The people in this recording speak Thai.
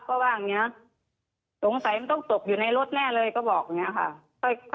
ก็ว่าอย่างนี้สงสัยมันต้องตกอยู่ในรถแน่เลยก็บอกอย่างนี้ค่ะ